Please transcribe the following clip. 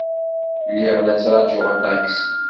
Lliɣ la ttṛajuɣ aṭaksi.